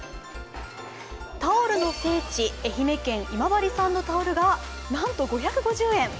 タオルの聖地、愛媛県今治産のタオルがなんと５５０円。